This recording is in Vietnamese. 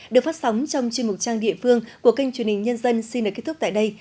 được phát sóng trong chuyên mục trang địa phương của kênh truyền hình nhân dân xin được kết thúc tại đây